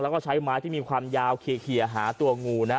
แล้วก็ใช้ไม้ที่มีความยาวเขียหาตัวงูนะ